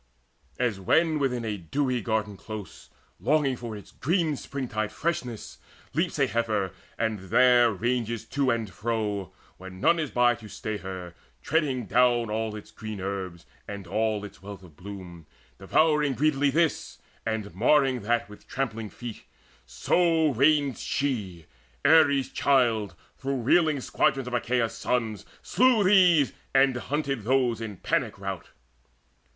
As when within a dewy garden close, Longing for its green springtide freshness, leaps A heifer, and there rangeth to and fro, When none is by to stay her, treading down All its green herbs, and all its wealth of bloom, Devouring greedily this, and marring that With trampling feet; so ranged she, Ares' child, Through reeling squadrons of Achaea's sons, Slew these, and hunted those in panic rout.